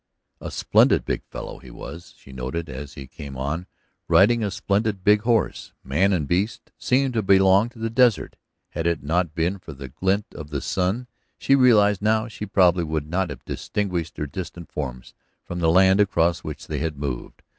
A splendid big fellow he was, she noted as he came on, riding a splendid big horse. Man and beast seemed to belong to the desert; had it not been for the glint of the sun she realized now, she probably would not have distinguished their distant forms from the land across which they had moved.